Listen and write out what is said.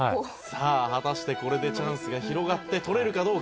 「さあ果たしてこれでチャンスが広がって取れるかどうか」